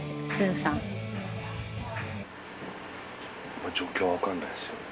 ［しかし］状況は分かんないっすよね。